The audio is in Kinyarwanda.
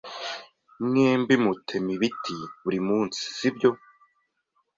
Mwembi mutema ibiti buri munsi, sibyo?